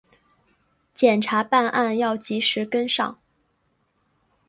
检察办案要及时跟上